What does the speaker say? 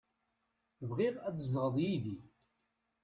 Bɣiɣ ad tzedɣeḍ yid-i.